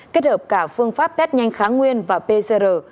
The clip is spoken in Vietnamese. kết hợp cả phương pháp test nhanh kháng nguyên và pcr